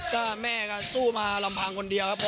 ก็แม่ก็สู้มาลำพังคนเดียวครับ